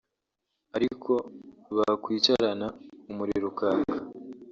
Ariko bakwicarana umuriro ukaka